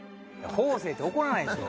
「方正」って怒らないでしょ。